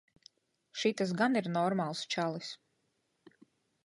Šitas gan ir normāls čalis.